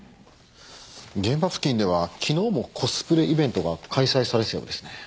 現場付近では昨日もコスプレイベントが開催されてたようですね。